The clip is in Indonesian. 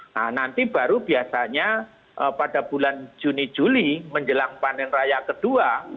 nah nanti baru biasanya pada bulan juni juli menjelang panen raya kedua